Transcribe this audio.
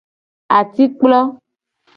Atikplo.